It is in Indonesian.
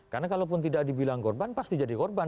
karena kalau pun tidak dibilang korban pasti jadi korban